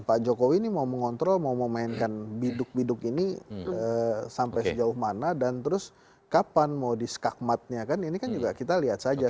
pak jokowi ini mau mengontrol mau memainkan biduk biduk ini sampai sejauh mana dan terus kapan mau disekakmatnya kan ini kan juga kita lihat saja